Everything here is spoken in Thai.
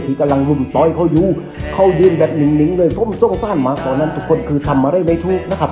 ที่กำลังรุมต่อยเขาอยู่เขายืนแบบนิ่งเลยส้มส้มสั้นหมาตัวนั้นทุกคนคือทำอะไรไม่ถูกนะครับ